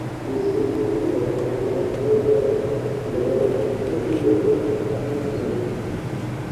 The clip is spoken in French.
Il s'y rendit avec Agvan Dorjiev qu'il avait rencontré brièvement à Phari-Dzong.